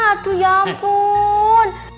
aduh ya ampun